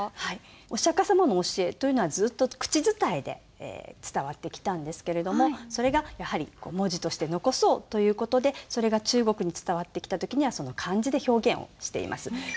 お釈様の教えというのはずっと口伝えで伝わってきたんですけれどもそれがやはり文字として残そうという事でそれが中国に伝わってきた時には漢字で表現をしています。